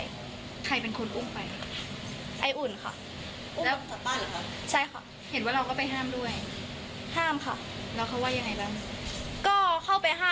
เจ้าให้บุญเล่นด้วยไหมแต่ทำไมค่ะ